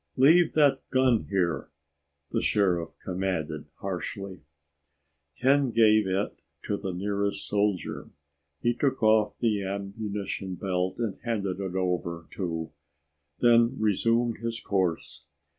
"Leave that gun here!" the Sheriff commanded harshly. Ken gave it to the nearest soldier. He took off the ammunition belt and handed it over too, then resumed his course.